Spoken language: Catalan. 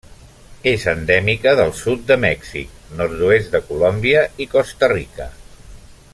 És endèmica del sud de Mèxic, nord-oest de Colòmbia i Costa Rica.